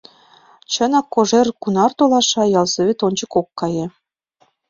Чынак, Кожер кунар толаша, ялсовет ончыко ок кае.